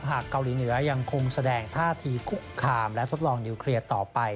เกาหลีเหนือยังคงแสดงท่าทีคุกคามและทดลองนิวเคลียร์ต่อไป